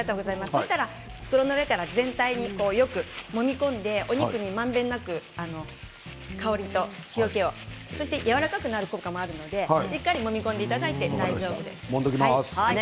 そうしたら袋の上から全体によくもみ込んでお肉にまんべんなく香りと塩けをそしてやわらかくなる効果もあるので、しっかりもみ込んでいただいて大丈夫です。